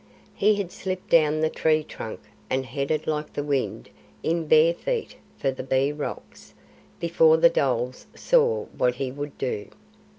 He had slipped down the tree trunk, and headed like the wind in bare feet for the Bee Rocks, before the dholes saw what he would do.